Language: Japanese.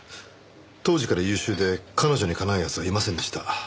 当時から優秀で彼女にかなう奴はいませんでした。